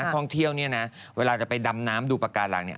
ท่องเที่ยวเนี่ยนะเวลาจะไปดำน้ำดูปากการังเนี่ย